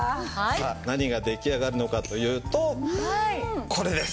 さあ何が出来上がるのかというとこれです。